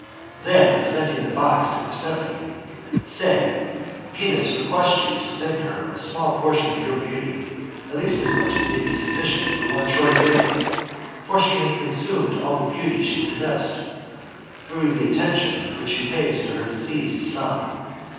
Then presenting the box to Prosperine, say, Venus requests you to send her a small portion of your beauty, at least as much as may be sufficient for one short day ; for she has consumed all the beauty she possessed, through the attention which she pays to her diseased son.